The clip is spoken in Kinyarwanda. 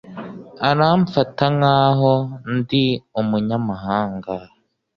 Aramfata nkaho ndi umunyamahanga.